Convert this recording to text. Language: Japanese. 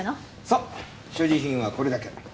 そう所持品はこれだけ。